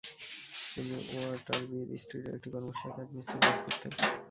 তিনি ওয়াটারবির স্ট্রিটের একটি কর্মশালায় কাঠমিস্ত্রির কাজ করতেন।